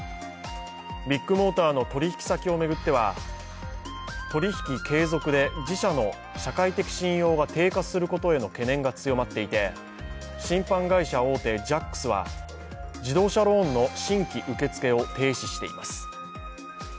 ビッグモーターの取引先を巡っては、取引継続で自社の社会的信用が低下することへの懸念が強まっていて信販会社大手ジャックスは自動車ローンの新規受け付けを停止しています。